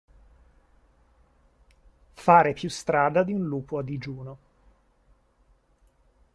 Fare più strada di un lupo a digiuno.